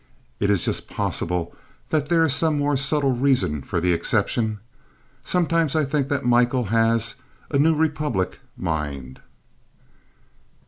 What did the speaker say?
It is just possible that there is some more subtle reason for the exception. Sometimes I think that Michael has a "New Republic" mind.